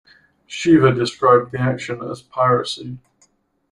Shiva described the action as piracy.